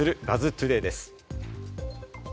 トゥデイです。